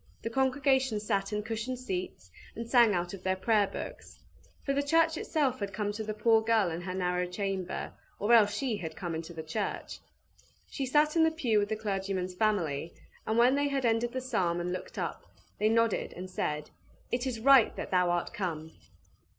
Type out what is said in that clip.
The congregation sat in cushioned seats, and sang out of their Prayer Books. For the church itself had come to the poor girl in her narrow chamber, or else she had come into the church. She sat in the pew with the clergyman's family, and when they had ended the psalm and looked up, they nodded and said, "It is right that thou art come!"